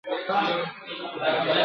او د غره لمن له لیری ورښکاره سول ..